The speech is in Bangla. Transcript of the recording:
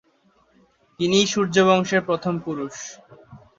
তিনিই সূর্য বংশের প্রথম পুরুষ।